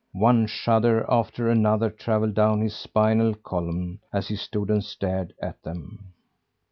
One shudder after another travelled down his spinal column as he stood and stared at them.